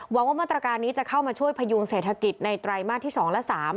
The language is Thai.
ว่ามาตรการนี้จะเข้ามาช่วยพยุงเศรษฐกิจในไตรมาสที่๒และ๓